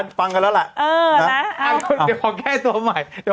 เดี๋ยวเราเคลียกกันได้แบบชัดเจน